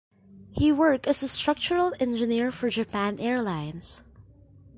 He worked as a structural engineer for Japan Airlines.